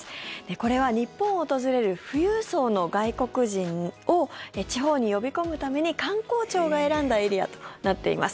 これは日本を訪れる富裕層の外国人を地方に呼び込むために観光庁が選んだエリアとなっています。